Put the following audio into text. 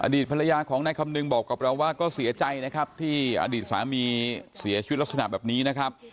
ภรรยาของนายคำนึงบอกกับเราว่าก็เสียใจนะครับที่อดีตสามีเสียชีวิตลักษณะแบบนี้นะครับ